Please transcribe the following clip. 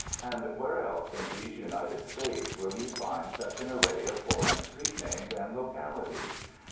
And where else in these United States will you find such an array of foreign street names and localities?